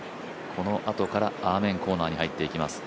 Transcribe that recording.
このあとからアーメンコーナーに入っていきます。